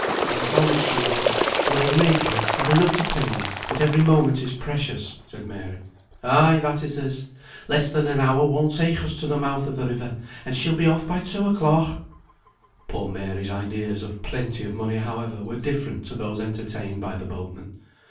"Oh, how much do you want? Only make haste I've enough to pay you, but every moment is precious," said Mary. "Ay, that it is. Less than an hour won't take us to the mouth of the river, and she'll be off by two o'clock!" Poor Mary's ideas of "plenty of money," however, were different to those entertained by the boatmen.